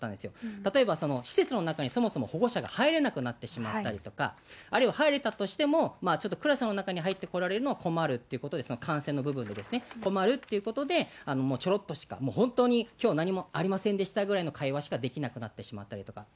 例えば施設の中にそもそも保護者が入れなくなってしまったりとか、あるいは入れたとしても、ちょっとクラスの中に入ってこられるのは困るってことで、その感染の部分でですね、困るということで、もうちょろっとしか、もう本当にきょう何もありませんでしたぐらいの会話しかできなくなってしまったりとか。